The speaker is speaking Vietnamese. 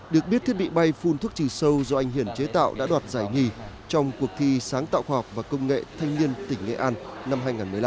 được biết thiết bị bay phun thuốc trừ sâu do anh hiển chế tạo đã đoạt giải nhì trong cuộc thi sáng tạo khoa học và công nghệ thanh niên tỉnh nghệ an năm hai nghìn một mươi năm